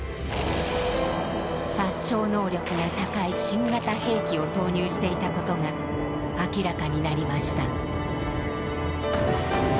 殺傷能力が高い新型兵器を投入していたことが明らかになりました。